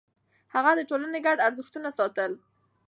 هغه د ټولنې ګډ ارزښتونه ساتل.